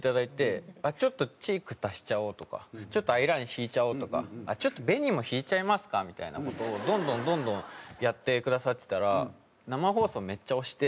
ちょっとチーク足しちゃおうとかちょっとアイライン引いちゃおうとかちょっと紅も引いちゃいますかみたいな事をどんどんどんどんやってくださってたら生放送めっちゃ押して。